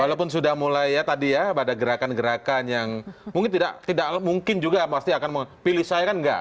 walaupun sudah mulai ya tadi ya pada gerakan gerakan yang mungkin tidak mungkin juga pasti akan memilih saya kan enggak